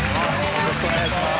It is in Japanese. よろしくお願いします